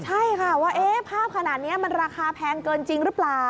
ใช่ค่ะว่าภาพขนาดนี้มันราคาแพงเกินจริงหรือเปล่า